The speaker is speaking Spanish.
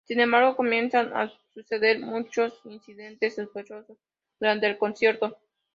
Sin embargo, comienzan a suceder muchos incidentes sospechosos durante el concierto.